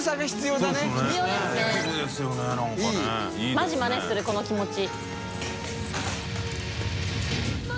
マジマネするこの気持ち。